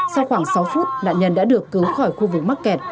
sau khoảng sáu phút nạn nhân đã được cứu khỏi khu vực mắc kẹt